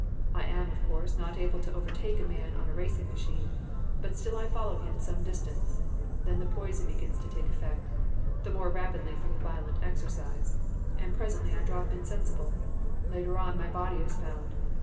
I am, of course, not able to overtake a man on a racing machine, but still I follow him some distance. Then the poison begins to take effect the more rapidly from the violent exercise and presently I drop insensible. Later on, my body is found.